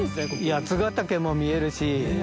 八ヶ岳も見えるし。